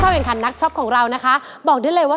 คือบอกตรงนี้เลยว่า